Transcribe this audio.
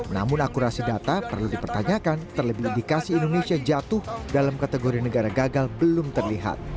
namun akurasi data perlu dipertanyakan terlebih indikasi indonesia jatuh dalam kategori negara gagal belum terlihat